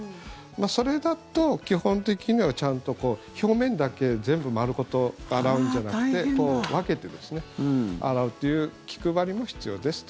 それだと基本的にはちゃんと表面だけ全部丸ごと洗うんじゃなくて分けて洗うという気配りも必要ですと。